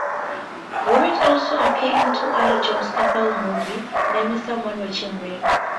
Robert also appeared in two other John Carpenter movies; namely Someone's Watching Me!